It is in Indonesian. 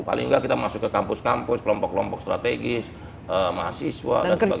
paling nggak kita masuk ke kampus kampus kelompok kelompok strategis mahasiswa dan sebagainya